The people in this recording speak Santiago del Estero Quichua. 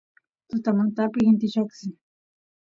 tutamantapi inti lloqsin